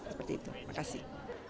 seperti itu terima kasih